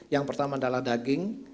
yang pertama adalah daging